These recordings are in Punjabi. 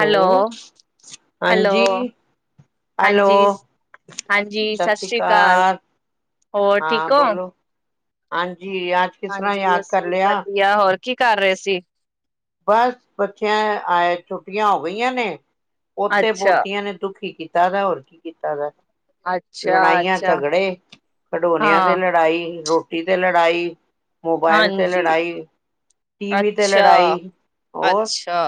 ਹੈਲੋ ਹੈਲੋ ਹਾਂਜੀ, ਹੈਲੋ, ਹਾਂਜੀ ਹਾਂਜੀ ਸਤਿ ਸ੍ਰੀ ਅਕਾਲ ਹੋਰ ਠੀਕ ਹੋ। ਹਾਂ ਜੀ ਅੱਜ ਕਿਸ ਤਰ੍ਹਾਂ ਹਾਂਜੀ ਯਾਦ ਕਰ ਅਸੀਂ ਲਿਆ। ਵਧੀਆ ਹੋਰ ਕੀ ਕਰ ਰਹੇ ਸੀ। ਬਸ ਬੱਚਿਆਂ ਆਏ ਛੁੱਟੀਆਂ ਹੋ ਗਈਆਂ ਨੇ ਪੋਤੇ ਅੱਛਾ। ਪੋਤੀਆਂ ਨੇ ਦੁਖੀ ਕੀਤਾ ਦਾ ਹੋਰ ਕੀ ਕੀਤਾ ਦਾ ਅੱਛਾ, ਲੜਾਈਆਂ ਅੱਛਾ ਝਗੜੇ ਖਡੋਨਿਆਂ ਤੇ ਹਾਂ ਲੜਾਈ ਰੋਟੀ ਟੀ ਤੇ ਲੜਾਈ ਮੋਬਾਇਲ ਤੇ ਹਾਂਜੀ ਲੜਾਈ ਟੀਵੀ ਤੇ ਅੱਛਾ, ਲੜਾਈ ਹੋਰ ਅੱਛਾ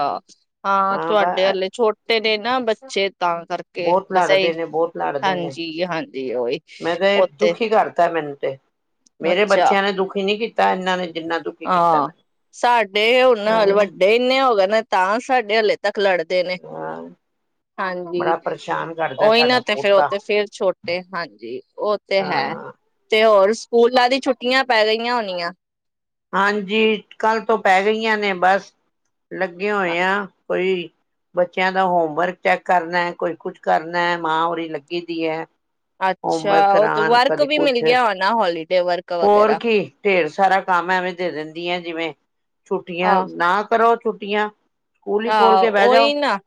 ਹਾਂ ਤੁਹਾਡੇ ਹੱਲੇ ਛੋਟੇ ਛੋਟੇ ਨੇ ਨਾ ਬੱਚੇ ਤਾਂ ਕਰਕੇ ਬਹੁਤ ਬਸ ਇਹੀ ਲੜਦੇ ਨੇ, ਬਹੁਤ ਲੜਦੇ ਨੇ। ਹਾਂਜੀ ਹਾਂਜੀ ਓਹੀ ਮੈਂ ਤੇ ਉੱਥੇ। ਦੁਖੀ ਕਰਤਾ ਮੈਨੂੰ ਤੇ ਮੇਰੇ ਬੱਚਿਆਂ ਨੇ ਦੁਖੀ ਨਹੀਂ ਕੀ ਤਾਂ ਇਹਨਾਂ ਨੇ ਜਿੰਨਾ ਦੁਖੀ ਕੀਤਾ ਹਾਂ ਮੈਂ। ਸਾਡੇ ਹੁਣ ਨਾ [unintelligible] ਹਾਂ ਵੱਡੇ ਇੰਨੇ ਹੋ ਗਏ ਨੇ ਤਾਂ ਸਾਡੇ ਹਲੇ ਤੱਕ ਲੜਦੇ ਨੇ ਬੜਾ ਹਾਂਜੀ ਪਰੇਸ਼ਾਨ ਕਰਦਾ ਓਹੀ ਸਾਡਾ ਨਾ ਤੇ ਫਿਰ ਉਹ ਪੋਤਾ ਤੇ ਫਿਰ ਛੋਟੇ ਹਾਂਜੀ ਉਹ ਤੇ ਹੈ ਹਾਂ ਤੇ ਹੋਰ ਸਕੂਲਾਂ ਦੀ ਛੁੱਟੀਆਂ ਪੈ ਗਈਆਂ ਹੋਣੀਆਂ। ਹਾਂਜੀ ਕੱਲ੍ਹ ਤੋਂ ਪੈ ਗਈਆਂ ਨੇ ਬਸ ਲੱਗੇ ਹੋਏ ਆ ਕੋਈ ਬੱਚਿਆਂ ਦਾ ਹੋਮਵਰਕ ਚੈੱਕ ਕਰਨਾ ਕੋਈ ਕੁਛ ਕਰਨਾ ਮਾਂ ਉਰੀ ਲੱਗੀ ਦੀ ਐ। ਅੱਛਾ ਉਹ ਵਰਕ ਵੀ ਮਿਲ ਕੁਛ ਗਿਆ ਹੋਨਾ ਹੋਲੀਡੇ ਵਰਕ ਹੋਰ ਵਗੈਰਾ ਕੀ ਢੇਰ ਸਾਰਾ ਐਵੇਂ ਦੇ ਦਿੰਦੀਆਂ ਜਿਵੇਂ ਛੁੱਟੀਆਂ ਆਹ ਨਾ ਕਰੋ ਛੁੱਟੀਆਂ। ਸਕੂਲ ਹੀ ਖੋਲ ਆਹ ਕੇ ਬਹਿ ਜਾਓ ਓਹੀ ਨਾ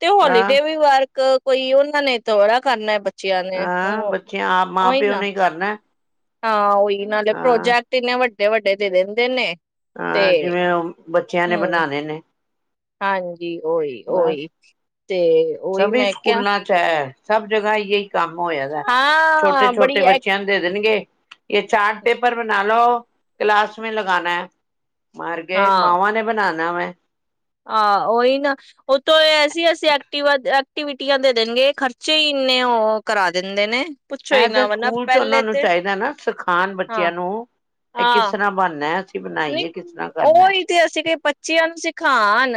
ਤੇ ਹਾਂ ਹੋਲੀਡੇ ਵੀ ਵਰਕ ਕੋਈ ਉਹਨਾਂ ਨੇ ਥੋੜਾ ਕਰਨਾ ਬ ਹਾਂ ਬੱਚੇ ਆਪ ਮਾਂ ਪਿਓ ਨੇ ਕਰਨਾ। ਹਾਂ ਉਈ ਇਹਨਾਂ ਦੇ ਹਾਂ ਪ੍ਰੋਜੈਕਟ ਇੰਨੇ ਵੱਡੇ ਵੱਡੇ ਵੱਡੇ ਤੇ ਦਿੰਦੇ ਨੇ। ਤੇ ਅਹ, ਜਿਵੇਂ ਉਹ ਬੱਚਿਆਂ ਨੇ ਹਮ ਬਣਾਉਣੇ ਨੇ ਹਾਂਜੀ। ਜੀ ਓਹੀ ਬਸ ਓਹੀ ਤੇ ਓਹੀ ਸਭੀ ਮੈਂ ਕਿਹਾ। ਸਕੂਲਾਂ ਚ ਹੈ ਸਭ ਜਗ੍ਹਾ ਯਹੀ ਕੰਮ ਹੋਇਆ ਦਾ ਹਾਂ ਬੜੀ ਛੋਟੇ-ਛੋਟੇ ਐ ਬੱਚਿਆਂ ਨੂੰ ਦੇ ਦੇਣਗੇ। ਯ ਚਾਰਟ ਪੇਪਰ ਬਣਾ ਲੋ ਕਲਾਸ ਮੈਂ ਲਗਾਨਾ ਐ। ਮਾਰਗੇ ਹਾਂ ਮਾਵਾਂ ਨੇ ਬਣਾਣਾ। ਣਾਂ ਵੈ। ਆਹ ਉਹੀ ਨਾ ਉਹਤੋਂ ਐਸ ਅਸੀਂ ਐਕਟਿਵਾ ਦ ਐਕ ਐਕਟੀਵਿਟੀਆਂ ਦੇ ਦੇਣਗੇ ਖਰਚੇ ਹੀ ਇੰਨੇ ਉਹ ਕਰਾ ਦਿੰਦੇ ਨੇ। ਪੁੱਛੋ ਹੀ ਇਹ ਤਾਂ ਨਾ ਵਰਨਾ ਸਕੂਲ ਚ ਉਹਨਾਂ ਪਹਿਲੇ ਨੂੰ ਤੇ ਚਾਹੀਦਾ ਨਾ ਸਿਖਾਉਣ ਹਾਂ ਬੱਚਿਆਂ ਨੂੰ ਇਹ ਕਿਸ ਤਰ੍ਹਾਂ ਬਣਨਾ ਨੀਂ ਬਣਾਈਏ ਕਿਸ ਤਰ੍ਹਾਂ ਕਰਨਾ ਉਹੀ ਤੇ ਅਸੀਂ ਕਿ ਬੱਚਿਆਂ ਨੂੰ ਸਿਖਾ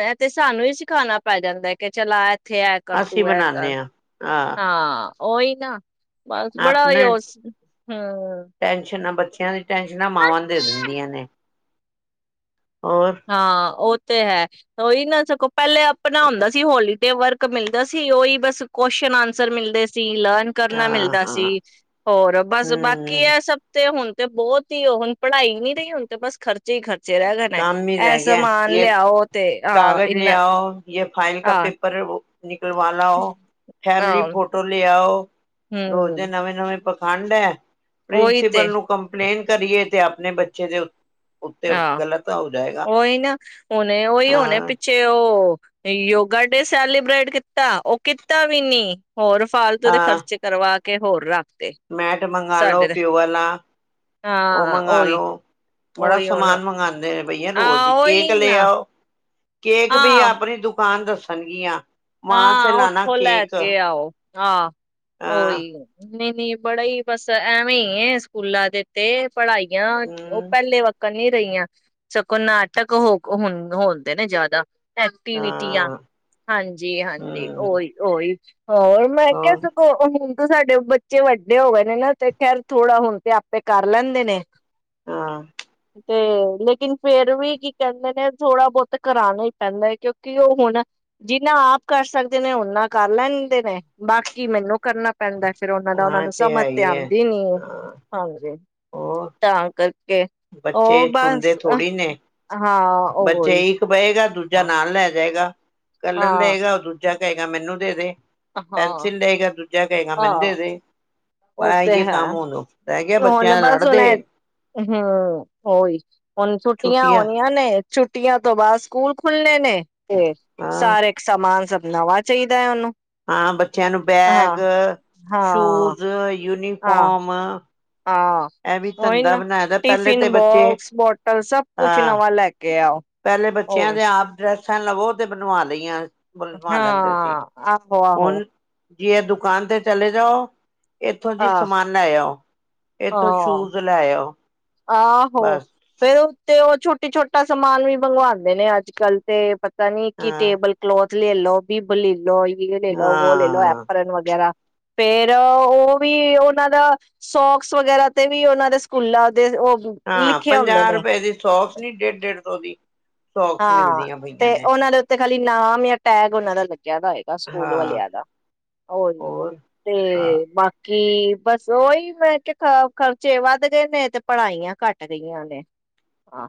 ਇਹ ਤੇ ਸਾਨੂੰ ਈ ਸਿਖਾਉਣਾ ਪੈ ਜਾਂਦਾ ਕਿ ਚਲਾ ਉੱਥੇ ਐ ਕਰ ਅਸੀਂ ਤੂੰ ਐ ਕਰ, ਬਣਾਉਦੇ ਹਾਂ ਹਾਂ। ਓਈ ਨਾ ਬਸ ਬੜਾ ਆਪਣੇ ਉਸ ਹਮ ਚਿਆਂ ਦੀ ਟੈਨਸ਼ਨਾਂ ਮਾਵਾਂ ਨੂੰ ਦੇ ਦਿੰਦੀਆਂ ਨੇ। ਹੋਰ ਹਾਂ ਉਹ ਤੇ ਹੈ ਤਾਂ ਉਹੀ ਨਾ ਸਕੋਂ। ਪਹਿਲੇ ਆਪਣਾ ਹੁੰਂਦਾ ਸੀ, ਹੋਲੀ ਦੇ ਵਰਗ ਮਿਲਦਾ ਸੀ, ਉਹੀ ਬਸ ਕੁਸ਼ਚਨ ਆਨਸਰ ਮਿਲਦੇ ਸੀ। ਲਰਨ ਕਰਨਾ ਹਾਂ ਮਿਲਦਾ ਹਾਂ ਸੀ, ਹੋਰ ਬਸ ਬਾਕੀ ਹਮ ਹੈ, ਸਭ ਤੇ ਹੁਣ। ਤੇ ਬਹੁਤ ਹੀ, ਉਹ ਹੁਣ ਪੜ੍ਹਾਈ ਨ ਨਹੀਂ ਰਹੀ, ਹੁਣ ਤੇ ਬਸ ਖਰਚੇ ਹੀ ਖਟ ਸਰਾਗਾ ਨਾ ਇਹ ਸਮਾਨ ਲਿਆਓ ਤੇ, ਆਹ ਕਾਗਜ਼ ਇੰਨਾ ਲਿਆਓ ਯਾ, ਫਾਈਲ ਕਾ ਆਹ ਪੇਪਰ ਏ, ੳ ਨ [inaudible] ਕਰਵਾ ਲਾਓ, ਫੈਮਲੀ ਆਹ ਫੋਟੋ ਲੇ ਆਓ। ਰੋਜ਼ ਦੇ ਹਮ ਨਵੇਂ, ਨਵੇਂ ਪ ਠੰਡ ਐ। ਉਹੀ ਤੇ ਪ੍ਰਿੰਸੀਪਲ ਨੂੰ ਕੰਪਲੇਂਟ ਕਰੀਏ ਤੇ, ਆਪਣੇ ਬੱਚੇ ਦੇ ਉੱਤੇ ਆਹ, ਗ਼ਲਤ ਹੋ ਜਾਏਗਾ ੳ ਈ, ਨਾ ਹੁਣੇ ਉਹੀ ਹੋਣੇ, ਹਾਂ ਪਿੱਛੇ ਉਹ। ਯੋਗਾ ਡੇ ਸੈਲੀਬ੍ਰੇਟ ਕੀਤਾ, ਉਹ ਕੀਤਾ ਵੀ ਨੀ। ਹੋਰ ਫਾਲਤੂ ਦੇ ਹਾਂ ਖਰਚੇ ਕਰਵਾ ਕੇ ਕੇ ਹੋਰ, ਰੱ ਮੈਟ ਮੰਗਾ ਲਉ ਪਿਓ ਵਾਲਾ, ਉਹ ਹਾਂ ਮੰਗਾ ਉਹੀ ਲਉ। ਬੜਾ ਉਹੀ ਹੁਣ ਸਮਾਨ ਮੰਗਾਦੇਨ ਬਈਆਂ ਰੋਜ਼ ਹੀ ਆਹ ਉਹੀ ਕੇਕ ਨਾ ਲਿਆਓ। ਕੇਕ ਵੀਈ ਹਾਂ ਆਪਣੀ ਦੁੱ ਪਾਨ ਦੱਸਨਗੀਆਂ ਹਾਂ, ਉੱਥੋਂ ਲੈ ਕੇ ਆਓ, ਆਹ, ਹਾਂ ਉਹੀ। ਨਹੀਂ, ਨਹੀਂ ਬੜਾ ਹੀ, ਬਸ ਐਵੇਂ ਹੀ ਸਕੂਲਾ ਦੇ, ਤੇ। ਪੜ੍ਹਾਈਆਂ ਉਹ ਹਮ ਪਹਿਲੇ ਵੱਕ ਹੁਣ ਨਹੀਂ ਰਹੀਆਂ ਸਗੋਂ, ਨਾਟਕ ਹੋ ਹੁਣ ਹੋਂਦੇ ਨੇ ਜ਼ਿਆਦਾ। ਐਕਟੀਵਿਟੀ ਆ, ਹਾਂ ਹਾਂਜੀ। ਹਾਂਜੀ। ਹਮ ਉਹੀ, ਉਹੀ [inaudible] ਹੋਰ, ਮੈਂ ਕਿਆ, ਹੋਰ ਸਗੋਂ ਤੇ ਸਾਡੇ ਬੱਚੇ ਵੱਡੇ ਹੋ ਗਏ ਨੇ ਨਾ ਤੇ ਖੈਰ ਥੋੜਾ ਹੁਣ ਤੇ ਆਪੇ ਕਰ ਲੈਂਦੇ ਨੇ ਹਾਂ ਤੇ ਲੇਕਿਨ ਫੇਰ ਵੀ ਕੀ ਕਹਿੰਦੇ ਨੇ ਥੋੜਾ ਬਹੁਤ ਕਰਾਣਾ ਹੀ ਪੈਂਦਾ ਹੈ ਕਿਉਂਕਿ ਉਹ ਹੁਣ ਜੀ ਜਿਨਾਂ ਆਪ ਕਰ ਸਕਦੇ ਨੇ ਓਨਾ ਕਰ ਲੈਂਦੇ ਨੇ ਬਾਕੀ ਮੈਨੂੰ ਕਰਨਾ। ਪੈਂਦਾ ਫੇਰ ਉਹਨਾਂ ਦਾ ਉਹਨਾ ਹਾਂ ਨੂੰ ਸਮਝ ਹੈ ਤੇ ਹੀ ਹੈ ਆਂਦੀ ਨੀ ਹਾਂ ਹਾਂਜੀ ਹੋਰ ਤਾਂ ਕਰ ਉਹ ਬੱਚੇ ਸੁਣਦੇ ਬਸ ਥੋੜ੍ਹੀ ਨੇ ਹਾਂ ਉਹ ਬੱਚੇ ਹੀ ਇੱਕ ਦੂਜਾ ਨਾਲ ਲੈ ਜਾਏਗਾ। ਕੱਲਰ ਹਾਂ ਲਏਗਾ ਦੂ ਜਾਂ ਕਹੇਗਾ ਮੈਨੂੰ ਦੇ ਦੇ ਹਾਂ ਪੈਨਸਿਲ ਲਏਗਾ ਦੂਜਾ ਕਹੇਗਾ ਮੈਨੂੰ ਦੇ ਹਾਂ ਦੇ ਉਹ ਬਸ ਤੇ ਇਹੀਓ ਹੈ ਕੰਮ ਹੋਣ ਦੋ। ਰਹਿ ਗਿਆ ਬੱਚਿਆਂ ਲੜਦੇ ਹੂੰ ਓਹੀ ਹੁਣ ਛੁੱਟੀਆਂ ਆਉਣੀਆਂ ਨੇ ਛੁੱਟੀਆਂ ਤੋਂ ਬਾਅਦ ਸਕੂਲ ਖੁੱਲਣੇ ਨੇ ਤੇ ਹਾਂ ਸਾਰੇ ਇੱਕ ਸਮਾਨ ਸਭ ਨਵਾਂ ਚਾਹੀਦਾ ਹੈ ਉਹਨੂੰ ਹਾਂ, ਬੱਚਿਆਂ ਨੂੰ ਹਾਂ ਬੈਗ ਹਾਂ ਸੂਜ਼ ਹਾਂ ਯੂਨੀਫੋਮ ਹਾਂ, ਇਹ ਵੀ ਓਹੀ ਧੰਦਾ ਨਾ ਬਣਾਇਆ ਦਾ ਪਹਿਲੇ ਤੇ ਟਿਫਿਨ ਬੱਚੇ ਬੋਕਸ, ਬੋਟਲ ਸਭ ਕੁਛ ਹਾਂ ਨਵਾਂ ਲੈ ਕੇ ਆਓ ਪਹਿਲੇ ਬੱਚਿਆਂ ਹੋਰ ਦੇ ਆਪ ਡਰੈੱਸਾਂ ਲਵੋ ਤੇ ਬਣਵਾ ਲਈਆਂ ਬਣਵਾ ਹਾਂ ਆਹੋ ਆਹੋ ਜੀ ਇਹ ਦੁਕਾਨ ਤੇ ਚਲੇ ਜਾਓ। ਇੱਥੋਂ ਜੀ ਆਹ ਸਮਾਨ ਲੈ ਆਓ। ਇਥੋਂ ਹਾਂ ਸ਼ੂਜ ਲੈ ਆਓ। ਆਹੋ ਬਸ ਫੇਰ, ਤੇ ਉਹ ਛੋਟੀ ਛੋਟਾ ਸਮਾਨ ਵੀ ਮੰਗਵਾਂਦੇ ਨੇ ਅੱਜ ਕੱਲ ਤੇ ਪਤਾ ਨੀ ਕਿ ਹਾਂ ਟੇਬਲ ਕਲੋਥ ਲੋ ਬੀ ਬਲੀ ਲੋਈ ਇਹ ਲੈ ਲਓ ਉਹ ਲੈ ਲਓ ਹਾਂ ਐਪਰਨ ਵਗੈਰਾ ਫੇਰ ਉਹ ਵੀ ਉਹਨਾਂ ਦਾ ਸੋਕਸ ਵਗੈਰਾ ਤੇ ਵੀ ਉਹਨਾਂ ਦੇ ਸਕੂਲਾਂ ਦੇ ਉਹ ਹਾਂ ਲਿਖੇ ਹੁੰਦੇ ਪੰਜਾਹ ਨੇ ਰੁਪਏ ਦੀ ਸੌਫ ਨੀ ਡੇਢ ਡੇਢ ਵੀ ਹਾਂ ਤੇ ਉਹਨਾਂ ਦੇ ਉੱਤੇ ਖਾਲੀ ਨਾਮ ਜਾਂ ਟੈਗ ਉਹਨਾਂ ਦਾ ਲੱ ਦਾ ਹੈਗਾ ਸਕੂਲ ਹਾਂ ਵਾਲਿਆਂ ਦਾ [inaudible] ਹੋਰ ਤੇ ਹਾਂ [inaudible] ਬਾਕੀ ਕੀ ਬਸ ਉਓਹੀ ਮੈਂ ਕਿਹਾ ਖਰਚੇ ਵੱਧ ਗਏ ਨੇ ਤੇ ਪੜ੍ਹਾਈਆਂ ਘੱਟ ਗਈਆਂ ਨੇ ਹਾਂ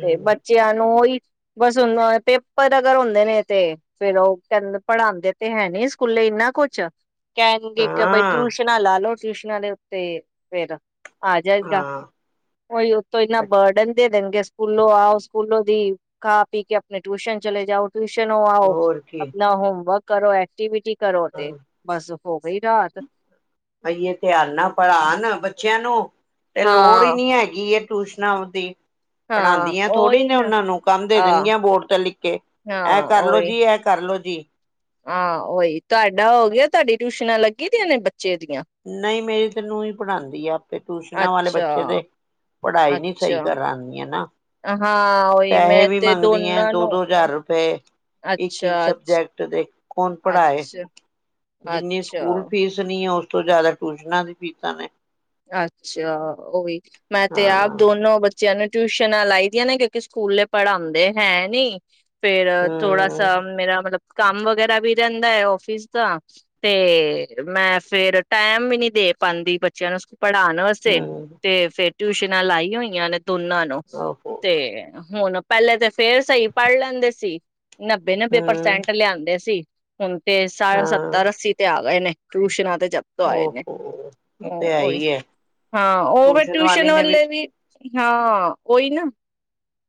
ਤੇ ਬੱਚਿਆਂ ਨੂੰ ਉਹੀ ਬਸ ਹੁਣ ਪੇਪਰ ਅਗਰ ਹੁੰਦੇ ਨੇ ਤੇ ਫੇਰ ਉਹ ਕਹਿੰਦੇ ਪੜ੍ਹਾਉਂਦੇ ਤੇ ਹੈ ਨਹੀ ਸਕੂਲੇ ਇੰਨਾ ਕੁਛ ਕਹਿਣਗੇ ਇੱਕ ਬਈ ਹਾਂ ਟਿਊਸ਼ਨਾਂ ਲਾ ਲਓ ਦੇ ਉੱਤੇ ਫੇਿਰ ਆ ਜਾਏਗਾ ਹਾਂ ਉਹੀ ਉਤੋਂ ਇੰਨਾ ਬ ਬਰਡਨ ਦੇ ਦੇਣਗੇ ਸਕੂਲੋਂ ਆਓ ਸਕੂਲੋਂ ਦੀ ਖਾ ਪੀ ਕੇ ਆਪਣੇ ਟਿਊਸ਼ਨ ਚਲੇ ਜਾਓ ਟਿਊਸ਼ਨ ਆਓ ਹੋਰ ਕੀ ਆਪਣਾ ਹੋਮਵਰਕ ਕਰੋ ਐਕਟੀਵਿਟੀ ਕਰੋ ਤੇ ਬਸ ਹੋ ਗਈ ਰਾਤ ਅੜੀਏ ਪਿਆਰ ਨਾਲ ਪੜ੍ਹਾਉਣ ਬੱਚਿਆਂ ਨੂੰ ਤੇ ਲੋੜ ਹੀ ਹਾਂ ਨੀ ਹੈਗੀ ਇਹ ਟਊਸ਼ਨ ਸੁਣਾਉਂਦੀ ਹਾਂ ਪੜ੍ਹਾਉਦੀਆਂ ਥੋੜ੍ਹੀ ਉਹੀ ਨੇ ਨਾ ਉਹਨਾਂ ਨੂੰ ਕੰਮ ਦੇ ਆਹ ਦੇਣਗੀਆਂ ਬੋਰਡ ਤਾਂ ਲਿਖ ਐ ਕਰਲੋ ਜੀ ਇਹ ਕਰਲੋ ਜੀ ਆਹੋ ਉਹੀ ਤੁਹਾਡਾ ਹੋ ਗਿਆ ਤੁਹਾਡੀ ਟਿਊਸ਼ਨਾਂ ਲੱਗੀ ਤੇੇ ਨਹੀਂ ਮੇਰੀ ਤੈਨੂੰ ਹੀ ਪੜ੍ਹਾਉਂਦੀ ਆ ਆਪੇ ਟਿਊਸ਼ਨਾਂ ਵਾਲੇ ਅੱਛਾ ਬੱਚੇ ਦੇ ਪੜ੍ਹਾਈ ਨਹੀਂ ਸਹੀ ਅੱਛਾ ਕਰਉਦੀ ਹੈ ਨਾ ਹਾਂ ਉਹੀ ਪੈਸੇ ਮੈਂ ਵੀ ਤੇ ਮੰਗਦੀਆਂ ਦੋਨਾਂ ਦੋ ਨੂੰ ਦੋ ਹਜ਼ਾਰ ਰੁਪਏ ਇੱਕ ਇੱਕ ਅੱਛਾ ਅੱਛਾ ਸਬਜੈਕਟ ਦੇ ਕੌਣ ਪੜ੍ਹਾਏ ਅੱਛਾ ਜਿੰਨੀ ਅੱਛਾ ਸਕੂਲ ਫੀਸ ਨਹੀਂ ਉਸ ਤੋਂ ਜ਼ਿਆਦਾ ਟਊਸ਼ਨਾਂ ਦੀ ਪੀਤਾ ਨੇ ਅੱਛਾ ਉਹੀ ਮੈਂ ਤੇ ਆਪ ਹਾਂ ਦੋਨੋ ਬੱਚੇ ਬੱਚਿਆਂ ਨੂੰ ਟਿਊਸ਼ਨਾਂ ਲਾਈ ਦੀਆਂ ਨੇ ਕਿਉਂਕਿ ਸਕੂਲੇ ਪੜ੍ਹਾਉਂਦੇ ਹੈ ਨੀ ਫੇਿਰ ਥੋੜਾ ਹਮ ਸਾ ਮੇਰਾ ਮਤਲਬ ਕੰਮ ਵਗੈਰਾ ਵੀ ਰਹਿੰਦਾ ਹੈ, ਆਫਿਸ ਦਾ ਤੇ ਮੈਂ ਫੇਰ ਟੈਮ ਵੀ ਨੀ ਦੇ ਪਾਉਂਦੀ ਬੱਚਿਆਂ ਨੂੰ। ਪੜ੍ਹਾਉਣ ਵਾਸੇ ਹਮ ਤੇ ਫੇਰ ਟਿਊਸ਼ਨਾਂ ਲਾਈ ਹੋਈਆਂ ਨੇ। ਦੋਨਾਂ ਨੂੰ ਆਹੋ ਤੇ ਹੁਣ ਪਹਿਲੇ, ਤਾਂ ਫੇਰ ਸਹੀ ਪੜ੍ਹ ਲੈਂਦੇ ਸੀ। ਨੱਬੇ-ਨੱਬੇ ਹਮ ਪ੍ਰਸੈਂਟ ਲਿਆਂਦੇ ਸੀ। ਹੁਣ ਤੇ ਸਾਠ, ਹਾਂ ਸੱਤਰ, ਅੱਸੀ ਤੇ ਆ ਗਏ ਨੇ। ਟਊਸ਼ਸ਼ਨਾ ਤੇ। ਜਪ ਤੋਂ ਆਏ ਨੇ ਓਹੋ ਉਹ ਹੂੰ ਤੇ ਹੈ ਉਹੀ। ਹੀ ਹੈ ਹਾਂ ਫਿਰ ਟਿਊਸ਼ਨ ਵਾਲੇ ਵੀ ਹਾਂ ਓਈ ਨਾ।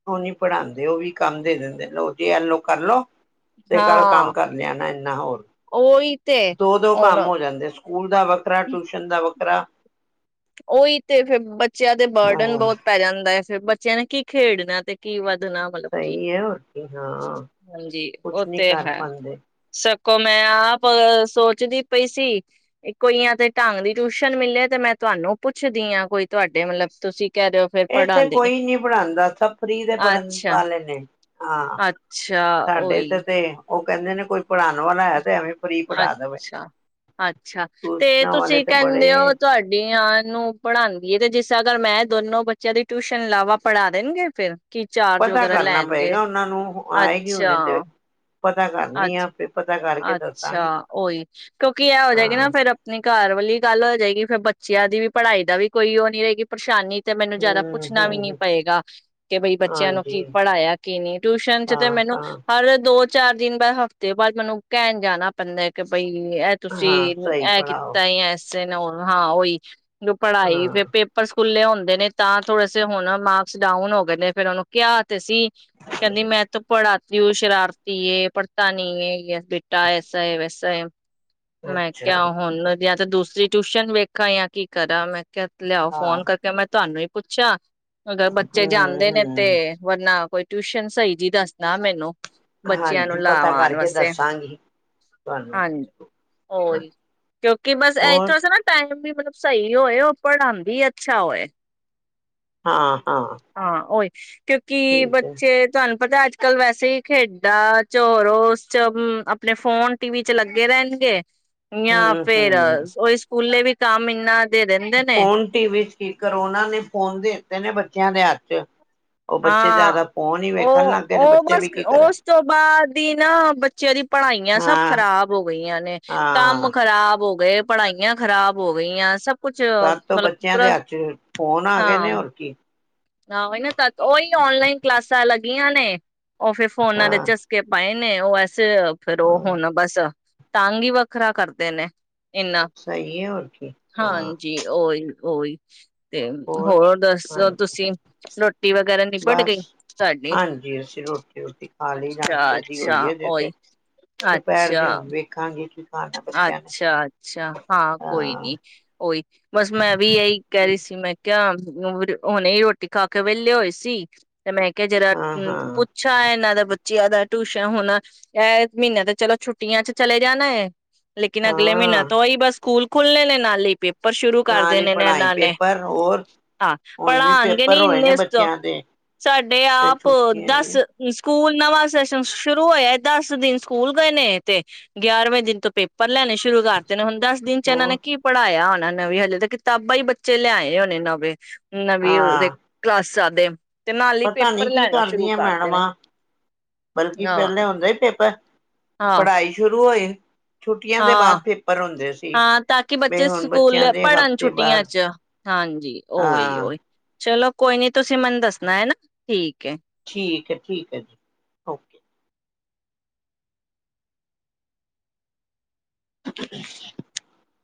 ਉਹ ਨਹੀਂ ਪੜ੍ਹਾਉਂਦੇ ਉਹ ਵੀ ਕੰਮ ਦੇ ਦਿੰਦੇ, ਲੋ ਜੀ ਐਲੋ ਕਰ ਲਓ। ਤੇ ਕੱਲ੍ਹ ਕੰਮ ਹਾਂ ਕਰ ਲਿਆਣਾ ਇੰਨਾ ਹੋਰ ਉਹੀ ਤੇ ਦੋ-ਦੋ ਹੁਣ ਕੰਮ ਹੋ ਜਾਂਦੇ ਸਕੂਲ ਦਾ ਵੱਖਰਾ, ਟਿਊਸ਼ਨ ਦਾ ਵੱਖਰਾ। ਵਖਰਾ ਉਹੀ ਤੇ ਫੇਿਰ ਬੱਚਿਆਂ ਦੇ ਬਰਡਨ ਹਾਂ ਬਹੁਤ ਪੈ ਜਾਂਦਾ ਹੈ। ਬੱਚਿਆਂ ਨੇ ਕੀ ਖੇਡਣਾ ਤੇ ਕੀ ਵ ਮਤਲਬ ਕੀ, ਸਹੀ ਹੈ ਹੋਰ ਕੀ ਹਾਂ ਹਾਂਜੀ ਉਹ ਕੁਛ ਨੀ ਤੇ ਕਰ ਹੈ ਪਾਉਂਦੇ ਸਭ ਮੈਂ ਆ ਸੋਚਦੀ ਪਈ ਸੀ ਕੋਈਆਂ ਤੇ ਢੰਗ ਦੀ ਟਿਊਸ਼ਨ ਮਿਲਿਆ ਤੇ ਮੈਂ ਤੁਹਾਨੂੰ ਪੁੱਛਦੀ ਹਾਂ, ਕੋਈ ਤੁਹਾਡੇ ਮਤਲਬ ਤੁਸੀਂ ਕਹਿ ਰਹੇ ਹੋ ਫਿਰ ਇਹ ਇੱਥੇ ਪੜ੍ਹਾਉਂਦੇ ਨੇ ਕੋਈ ਨਹੀਂ ਪੜ੍ਹਾਉਂਦਾ ਸਭ ਫ੍ਰਰੀ ਦੇ ਪੜ੍ਹਨ ਅੱਛਾ ਵਾਲੇ ਨੇ। ਹਾਂ ਅੱਛਾ, ਸਾਡੇ ਓਹੀ। ਤੇ ਤੇ ਉਹ ਕਹਿੰਦੇ ਨੇ ਕੋਈ ਪੜ੍ਹਾਉਣ ਵਾਲਾ ਹੈ। ਤੇ ਐਵੇਂ ਫ੍ਰਰੀ ਪੜ੍ਹਾ ਦੇਵੇ ਅੱਛਾ-ਅੱਛਾ ਤੇ ਟਿਊਸ਼ਨਾਂ ਵਾਲੇ ਤੁਸੀਂ ਤੇ ਕਹਿੰਦੇ ਹੋ ਬੜੇ ਤੁਹਾਡੀਆਂ ਨੂੰ ਪੜ੍ਹਾਉਂਦੀ ਹੈ ਤੇ ਜਿਸ ਅਗਰ ਮੈਂ ਦੋਨੋ ਬੱਚਿਆਂ ਦੀ ਟਿਊਸ਼ਨ ਲਾਵਾ ਪੜ੍ਹਾ ਦੇਣਗੇ ਫੇਰ। ਪਤਾ ਕਰਨਾ ਪਏਗਾ ਉਹਨਾਂ ਨੂੰ ਆਏਗੀ ਹੁਣੇ ਤੇ। ਪਤਾ ਕਰਨੀ ਆ ਫਿਰ ਪਤਾ ਕਰਕੇ ਅੱਛ-ਅੱਛਾ, ਦੱਸਾਂਗੀ ਓਹੀ ਕਿਉਂਕਿ ਇਹੀ ਹੋ ਜਾਏਗੀ ਨਾ ਹਾਂ ਫਿਰ ਆਪਣੀ ਘਰ ਵਾਲੀ। ਗੱਲ ਹੋ ਜਾਏਗੀ ਫੇਰ ਬੱਚਿਆਂ ਦੀ ਵੀ ਪੜ੍ਹਾਈ ਦਾ ਵੀ ਕੋਈ ਉਹ ਨੀ ਰਹੇਗੀ ਪਰੇਸ਼ਾਨੀ। ਤੇ ਮੈਨੂੰ ਜ਼ਿਆਦਾ ਹਮ ਪੁੱਛਣਾ ਵੀ ਨੀ ਹਮ ਪਏਗਾ ਕਿ ਬਈ ਬੱਚਿਆਂ ਨੂੰ ਹਾਂਜੀ ਕੀ ਪੜ੍ਹਾਇਆ ਕੀ ਨਹੀਂ ਟਿਊਸ਼ਨ ਚ ਤੇ ਹਾਂ ਮੈਨੂੰ ਹਾਂ ਹਰ ਦੋ ਚਾਰ ਦਿਨ ਹਫ਼ਤੇ ਬਾਅਦ ਮੈਨੂੰ ਕਹਿਣ ਜਾਣਾ ਪੈਂਦਾ ਕਿ ਬਈ ਕਿ ਇਹ ਤੁਸੀਂ ਹਾਂ ਨੂੰ ਸਹੀ ਇਹ ਪੜ੍ਹਾਓ ਕੀਤਾ ਹੀ ਐ। ਹਾ ਉਹੀ। ਜੋ ਪੜ੍ਹਾਈ ਫਿਰ ਹਾਂ ਪੇਪਰਸ ਖੁੱਲੇ ਹੁੰਦੇ ਨੇ ਤਾਂ ਥੋੜ੍ਹੇ ਸੇ ਹੁਣ ਮਾਰਕਸ ਡਾਊਨ ਹੋ ਗਏ ਨੇ ਫੇਰ ਉਹਨੂੰ ਕਿਹਾ। ਤੇ ਸੀ ਕਹਿੰਦੀ ਮੈਂ ਤਾਂ ਪੜਾ ਸ਼ਰਾਰਤੀ ਹੈ ਪੜ ਤਾਂ ਨਹੀਂ ਹੈ [unintelligible] ਬੇਟਾ ਐਸਾ ਹੈ ਵੈਸਾ। [inaudible] ਮੈਂ ਅੱਛਾ ਕਿਹਾ ਆ ਹੁਣ ਜਾਂ ਤੇ ਦੂਸਰੀ ਟਿਊਸ਼ਨ ਵੇਖਾਂ ਜਾਂ ਕੀ ਕਰਾਂ ਮੈਂ। ਕਿਹਾ ਲਿਆਓ ਹਾਂ ਫੋਨ ਕਰਕੇ ਮੈਂ ਤੁਹਾਨੂੰ ਹੀ। ਪੁੱਛਾਂ। ਅਗਰ ਬੱਚੇ ਹਮ ਜਾਂਦੇ ਨੇ ਤੇ ਹਮ ਵਰਨਾ ਕੋਈ ਟਿਊਸ਼ਨ ਸਹੀ ਜੀ ਦੱਸਦਾ ਮੈਨੂੰ। ਬੱਚਿਆਂ ਨੂੰ ਹਾਂਜੀ ਪਤਾ ਕਰਕੇ ਵਾਸਤੇ ਦੱਸਾਂਗੀ ਤੁਹਾਨੂੰ ਮੈਂ ਹਾਂਜੀ ਜ਼ਰੂਰ। ਹੋਈ ਕਿਉਂਕਿ ਬਸ ਹੋਰ ਇੱਥੋਂ ਨਾ ਟ ਵੀ ਮਤਲਬ ਸਹੀ ਹੋਏ ਉਹ ਪੜ੍ਹਾਉਂਦੀ ਅੱਛਾ ਹੋਏ। ਹਾਂ। ਹਾਂ ਉਹੀ ਕਿਉਂਕਿ ਠੀਕ ਹੈ ਬੱਚੇ ਤੁਹਾਨੂੰ ਪਤਾ ਅੱਜ ਕੱਲ ਵੈਸੇ ਹੀ ਖੇਡਾਂ ਚ ਉਸ ਚ ਆਪਣੇ ਫੋਨ ਟੀਵੀ ਚ ਲੱਗੇ ਰਹਿਣਗੇ। ਜਾਂ ਹਮ ਫੇਰ ਹਮ ਉਹੀ ਸਕੂਲੇ ਵੀ ਕੰਮ ਇੰਨਾ ਦੇ ਦਿੰਦੇ ਨੇ ਫੋਨ ਟੀ ਵੀ ਚ ਕੀ ਕਰੋਨਾ ਨੇ ਫੋਨ ਦਿੱਤੇ ਨੇ ਬੱਚਿਆਂ ਦੇ ਹੱਥ। ਅੱਛਾ। ਹਾਂ ਲੱਗ ਗਏ ਨੇ ਉਹ-ਉਹ ਬੱਚੇ ਵੀ ਬਸ ਕੀ ਕਰਨ ਉਸ ਤੋਂ ਬਾਅਦ ਹੀ ਨਾ ਬੱਚਿਆਂ ਦੀ ਪੜ੍ਹਾਈਆਂ ਸਭ ਹਾਂ ਖ਼ਰਾਬ ਹੋ ਗਈਆਂ ਨੇ ਕੰਮ ਹਾਂ ਖਰਾਬ ਹੋ ਗਏ ਪੜ੍ਹਾਈਆਂ ਖ਼ਰਾਬ ਹੋ ਗਈਆਂ ਸਭ ਕੁਛ ਤਦ ਤੋਂ ਮਤਲਬ ਬੱਚਿਆਂ ਦੇ ਪੂਰਾ ਹੱਥ ਫੋਨ ਆ ਗਏ ਹਾਂ ਨੇ ਹੋਰ ਕੀ। ਆਹੋ ਨਾ ਤਦੋਂ ਓਹੀ ਓਨਲਾਈਨ ਕਲਾਸਾਂ ਲੱਗੀਆਂ ਨੇ। ਉਹ ਫੇਰ ਫੋਨਾ ਦੇ ਹਾਂ ਚਸਕੇ ਪਾਏ ਉਹ ਫਿਰ ਉਹ ਹਾਂ ਹੁਣ ਬਸ ਤੰਗ ਹੀ ਵੱਖਰਾ ਕਰਦੇ ਨੇ। ਇਨਾ ਸਹੀ ਹੈ ਹੋਰ ਕੀ ਹਾਂ ਹਾਂਜੀ ਓਹੀ। ਓਹੀ। ਤੇ ਹੋਰ ਦੱਸੋ? ਹਾਂਜੀ [unintelligible] ਨਿਬੜ ਬਸ, ਗਈ ਤੁਹਾਡੀ ਹਾਂਜੀ ਅਸੀਂ ਰੋਟੀ ਰੁਟੀ ਖਾ ਲਈ, ਅੱਛਾ ਨਾਸ਼ਤੇ ਦੀ ਅੱਛਾ ਹੋਈ ਹੈ ਹਜੇ ਤੇ, ਓਹੀ ਦੁਪਹਿਰ ਦੀ ਅੱਛਾ ਹੁਣ ਵੇਖਾਂਗੀ ਕਿ ਅੱਛਾ-ਅੱਛਾ ਹਾਂ ਕੋਈ ਨੀ, ਉਹੀ ਬਸ ਮੈਂ ਵੀ ਇਹੀ ਕਹਿ ਰਹੀ ਸੀ ਮੈਂ ਕਿਆ [unintelligible] ਹੁਣੇ ਹੀ ਰੋਟੀ ਖਾ ਕੇ ਵਿਹਲੇ ਹੋਏ ਸੀ। ਤੇ ਮੈਂ ਕਿਹਾ ਜਰਾ ਹਾਂ ਹਾਂ ਪੁੱਛਾ ਇਹਨਾਂ ਦੇ ਬ ਬੱਚਿਆ ਦਾ ਟਿਊਸ਼ਨ, ਹੁਣ ਇਹ ਮਹੀਨਿਆਂ ਤੇ ਚਲੋ ਛੁੱਟੀਆਂ ਚ ਚਲੇ ਜਾਣਾ ਏ। [inaudible] ਲੇਕਿਨ ਅਗਲੇ ਮਹੀਨਾ ਹਾਂ ਤੋਂ ਓਹੀ ਬਸ ਸਕੂਲ ਖੁੱਲਨੇ ਨੇ ਨਾਲੇ ਹੀ ਪੇਪ ਪੇਪਰ ਸ਼ੁਰੂ ਕਰ ਨਾਲ ਹੀ ਦੇਣੇ ਨੇ ਪੜ੍ਹਾਈ ਇਹਨਾਂ ਨੇ, ਪੇਪਰ ਹੋਰ ਆਹ ਹੁਣ ਵੀ ਪੜ੍ਹਾਉਣਗੇ ਪੇਪਰ ਨੀ ਹੋਏ ਨੇ [unintelligible] ਬੱਚਿਆਂ ਦੇ ਸਾਡੇ ਤੇ ਆਪ ਛੁੱਟੀਆਂ ਦਸ ਹੀ ਆ ਸਕੂਲ ਨਵਾਂ ਸੈਸ਼ਨ ਸ਼ੁਰੂ ਹੋਇਆ ਏ, ਦਸ ਦਿਨ ਸਕੂਲ ਗਏ ਨੇ, ਤੇ ਗਿਆਰਵੇਂ ਦਿਨ ਤੋਂ ਪੇਪਰ ਲੈਣੇ ਸ਼ੁ ਸ਼ੁਰੂ ਕਰਤੇ ਨੇ, ਹੁਣ ਦਸ ਦਿਨ ਚ ਇਹਨਾਂ ਨੇ ਹੋਰ ਕੀ ਪੜ੍ਹਾਇਆ ਹੋਣਾ? ਨਵੀਂ, ਹਲੇ ਤੇ ਕਿਤਾਬਾਂ ਹੀ ਬੱਚੇ ਲਿਆਏ ਹੋਣੇ ਨਵੇਂ। ਨਵੀਂ ਉਹ ਦੇ ਹਾਂ ਕਲਾਸਾਂ ਦੇਮ ਪਤਾ ਨੀ ਕੀ ਕਰਦੀਆਂ ਮੈਡਮਾਂ? ਬਲਕਿ ਹਾਂ ਪਹਿਲੇ ਹੁੰਦੇ ਈ ਪੇਪਰ। ਹਾਂ ਪੜ੍ਹਾਈ ਸ਼ੁਰੂ ਹੋਈ। [inaudible] ਦੇ ਹਾਂ, ਬਾਅਦ ਪੇਪਰ ਹੁੰਦੇ ਸੀ ਹਾਂ ਤਾਂ ਕਿ ਬਈ ਬੱਚੇ ਹੁਣ ਸਕੂਲ ਬੱਚਿਆਂ ਦੇ ਪੜ੍ਹਨ ਹਫ਼ਤੇ ਛੁੱਟੀਆਂ ਬਾਅਦ ਚ, ਹਾਂਜੀ ਹਾਂ ਓਹੀ-ਓਹੀ। ਚਲੋ ਕੋਈ ਨੀ, ਤੁਸੀਂ ਮੈਨੂੰ ਦੱਸਣਾ ਹੈਨਾ, ਠੀਕ ਏ। ਠੀਕ ਹੈ, ਠੀਕ ਹੈ ਜੀ, ਓਕੇ। [inaudible]